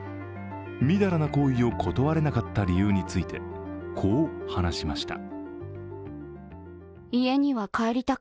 みだらな行為を断れなかった理由について、こう話しました。